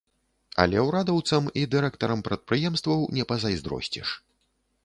Але ўрадаўцам і дырэктарам прадпрыемстваў не пазайздросціш.